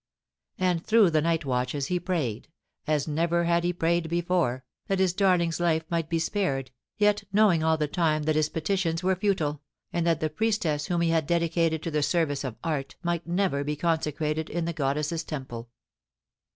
And through the night watches he prayed, as never had he prayed before, that his darling's life might be spared, yet knowing all the time that his petitions were futile, and that the priestess whom he had dedicated Co the service of Art might never be consecrated in the goddess's temple.